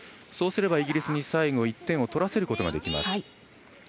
そうすれば、イギリスに最後１点を取らせることができます。